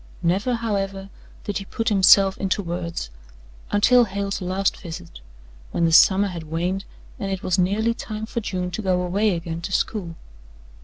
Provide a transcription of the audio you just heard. Never, however, did he put himself into words until Hale's last visit, when the summer had waned and it was nearly time for June to go away again to school.